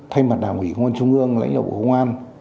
thay mặt đảng ủy công an trung ương lãnh đạo bộ công an